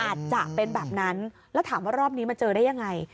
อาจจะเป็นแบบนั้นแล้วถามว่ารอบนี้มาเจอได้ยังไง